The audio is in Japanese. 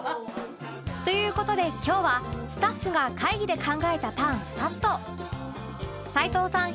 という事で今日はスタッフが会議で考えたパン２つと齊藤さん